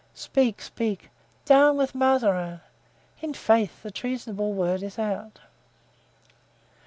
"Speak, speak." "'Down with Mazarin!' I'faith, the treasonable word is out."